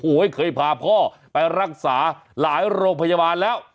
เคยพาพ่อไปรักษาหลายโรงพยาบาลแล้ว